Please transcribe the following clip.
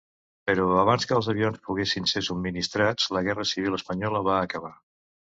Però, abans que els avions poguessin ser subministrats, la Guerra Civil espanyola va acabar.